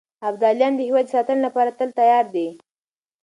ابداليان د هېواد د ساتنې لپاره تل تيار دي.